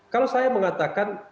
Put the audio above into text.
kalau saya mengatakan